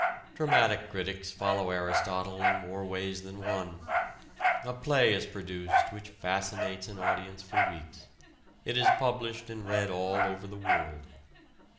Dramatic critics follow Aristotle in more ways than one. A play is produced which fascinates an audience for weeks. It is published and read all over the world.